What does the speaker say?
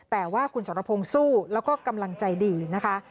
แต่ว่าคุณสรพงศ์สู้แล้วก็กำลังใจดีนะคะ